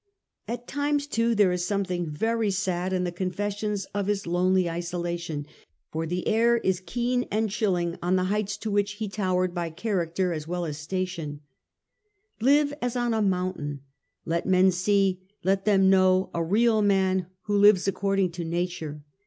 At times too there is something very sad in the confessions of his lonely isolation, for the air is keen and chilling on the heights to which and sense he towered by character as well as station, of isolation. ' Live as on a mountain Let men see, let them know a real man who lives according to Nature.